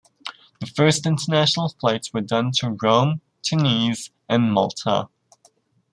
The first international flights were done to Rome, Tunis and Malta.